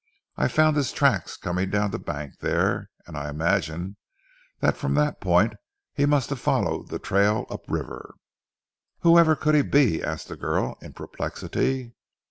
I found his tracks coming down the bank there, and I imagine that from the point he must have followed the trail up river." "Whoever could he be?" asked the girl in perplexity.